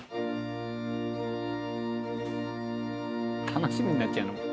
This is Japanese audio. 楽しみになっちゃう。